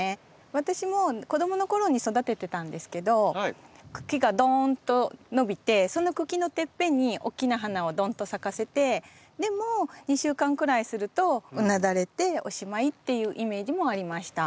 私も子供の頃に育ててたんですけど茎がドーンと伸びてその茎のてっぺんに大きな花をドンと咲かせてでも２週間くらいするとうなだれておしまいっていうイメージもありました。